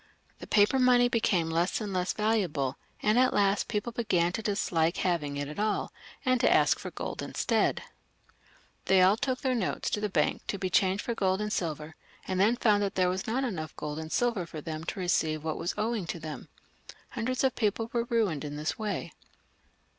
The paper money became less and less valuable, and at last people began to dislike having it at all, and to ask for gold instead. They all took their notes to the bank to be changed for gold and silver ; and then found that there was not enough gold and silver for them to receive what was owing to them. Hundreds of people were ruined in this way.